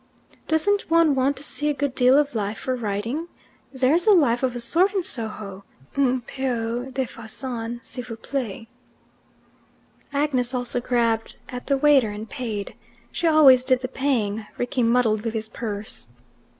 "Doesn't one want to see a good deal of life for writing? There's life of a sort in Soho, Un peu de faisan, s'il vows plait." Agnes also grabbed at the waiter, and paid. She always did the paying, Rickie muddled with his purse.